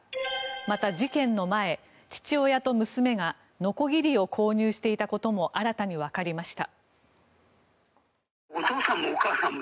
また、事件の前、父親と娘がのこぎりを購入していたことも新たにわかりました。